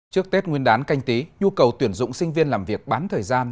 trước tết nguyên đán canh tí nhu cầu tuyển dụng sinh viên làm việc bán thời gian